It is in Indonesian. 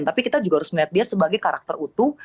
tapi kita juga harus melihat dia sebagai karakter utuh